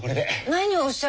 何をおっしゃるの。